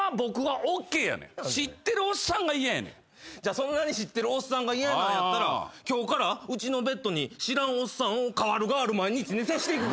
そんなに知ってるおっさんが嫌なんやったら今日からうちのベッドに知らんおっさんを代わる代わる毎日寝させていく。